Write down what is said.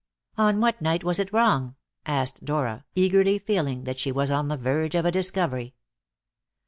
"On what night was it wrong?" asked Dora, eagerly feeling that she was on the verge of a discovery.